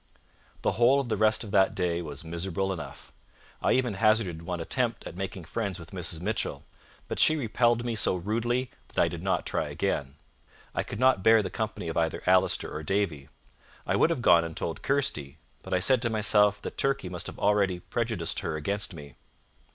The whole of the rest of that day was miserable enough. I even hazarded one attempt at making friends with Mrs. Mitchell, but she repelled me so rudely that I did not try again. I could not bear the company of either Allister or Davie. I would have gone and told Kirsty, but I said to myself that Turkey must have already prejudiced her against me.